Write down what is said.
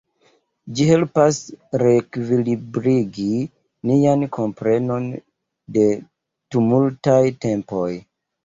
Ĝi helpas reekvilibrigi nian komprenon de tumultaj tempoj.